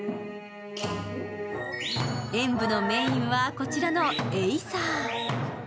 演舞のメインはこちらのエイサー。